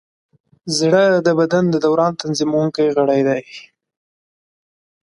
زړه د بدن د دوران تنظیمونکی غړی دی.